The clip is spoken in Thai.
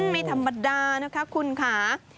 ไม่ธรรมดานะคะคุณค่ะ